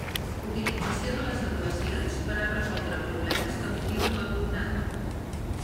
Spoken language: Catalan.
Utilització de les equacions per a resoldre problemes que motiven l'alumnat.